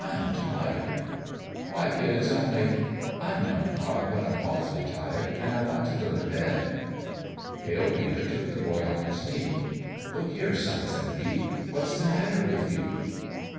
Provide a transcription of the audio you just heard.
" I'm tired." " Why, kid, it's only "" I know, pop, but I'm awful tired, and I want to go to bed." Pale Peter took the boy on his knee. " Look here, son," said he ;" what's the matter with you?"